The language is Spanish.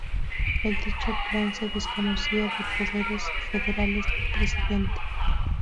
En dicho Plan se desconocían los poderes federales del presidente.